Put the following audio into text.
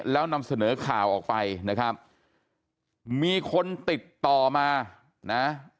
แล้วนำเสนอข่าวออกไปนะครับมีคนติดต่อมานะ